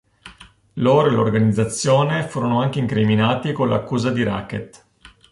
Loro e l'organizzazione furono anche incriminati con l'accusa di racket.